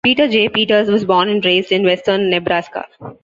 Peter J. Peters was born and raised in Western Nebraska.